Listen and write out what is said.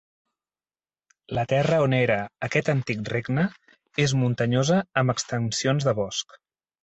La terra on era aquest antic regne és muntanyosa amb extensions de bosc.